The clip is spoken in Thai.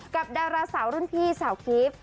กับดาราสาวรุ่นพี่สาวครีฟ